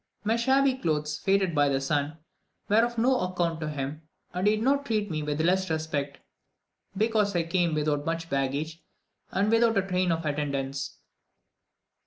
My shabby clothes, faded by the sun, were of no account to him, and he did not treat me with less respect, because I came without much baggage, and without a train of attendants.